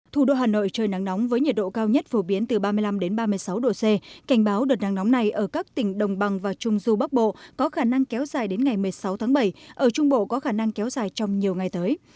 thủ đô hà nội trời nắng nóng với nhiệt độ cao nhất phổ biến từ ba mươi năm ba mươi sáu độ c cảnh báo đợt nắng nóng này ở các tỉnh đồng bằng và trung du bắc bộ có khả năng kéo dài đến ngày một mươi sáu tháng bảy ở trung bộ có khả năng kéo dài trong nhiều ngày tới